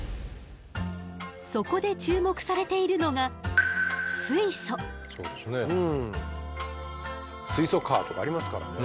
そこで注目されているのが水素カーとかありますからね。